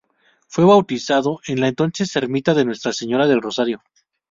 Fue bautizado en la entonces ermita de Nuestra Señora del Rosario.